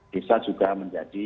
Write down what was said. bisa juga menjadi